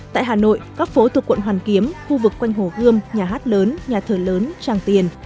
tại hà nội các phố thuộc quận hoàn kiếm khu vực quanh hồ gươm nhà hát lớn nhà thờ lớn tràng tiền